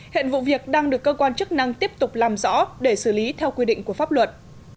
hiện vụ việc đang được cơ quan chức năng tiếp tục làm rõ để xử lý theo quy định của pháp luật